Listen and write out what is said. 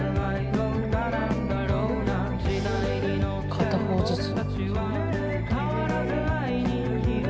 片方ずつ。